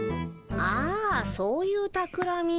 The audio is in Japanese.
あそういうたくらみ。